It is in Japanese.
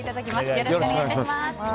よろしくお願いします。